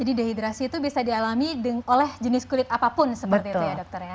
jadi dehidrasi itu bisa dialami oleh jenis kulit apapun seperti itu ya dokter ya